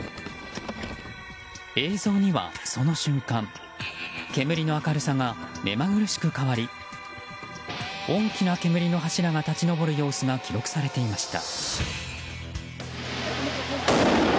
映像には、その瞬間煙の明るさが目まぐるしく変わり大きな煙の柱が立ち上る様子が記録されていました。